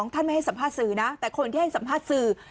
ท่านไม่ให้สัมภาษณ์สื่อนะแต่คนที่ให้สัมภาษณ์สื่อ